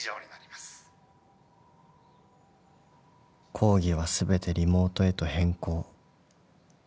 ［講義は全てリモートへと変更］